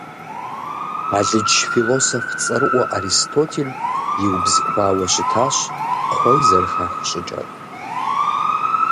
Алыдж философ цӀэрыӀуэ Аристотель иубзыхуауэ щытащ кхъуей зэрыхах щӀыкӀэр.